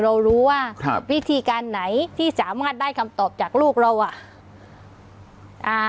เรารู้ว่าครับวิธีการไหนที่สามารถได้คำตอบจากลูกเราอ่ะอ่า